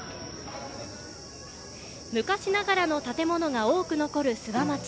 昔ながらの建物が多く残る諏訪町。